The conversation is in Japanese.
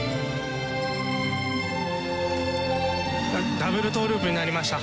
ダブルトーループになりました。